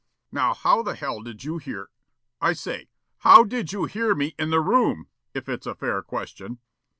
"Now, how the hell did you hear I say, HOW DID YOU HEAR ME IN THE ROOM, if it's a fair question?"